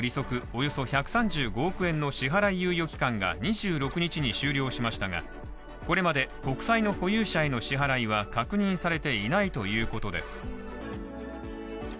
およそ１３５億円の支払い猶予期間が２６日に終了しましたがこれまで国債の保有者への支払いは確認されていないということです。